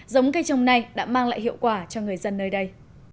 giống cây trồng này đã mang lại hiệu quả cho người dân nơi đây